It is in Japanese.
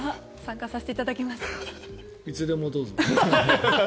いつでもどうぞ。